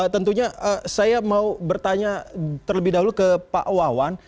tentunya saya mau bertanya terlebih dahulu ke pak wawan